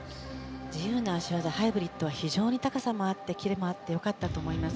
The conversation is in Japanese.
自由な脚技ハイブリッドは非常に高さもあってキレもあって良かったと思います。